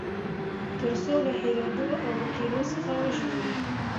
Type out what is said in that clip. تر څو له هېريدو او ورکېدو څخه وژغوري.